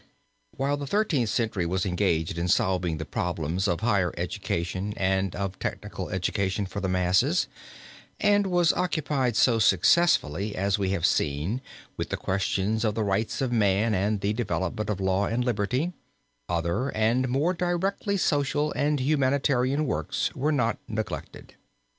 While the Thirteenth Century was engaged in solving the problems of the higher education and of technical education for the masses, and was occupied so successfully, as we have seen, with the questions of the rights of man and the development of law and of liberty, other and more directly social and humanitarian works were not neglected.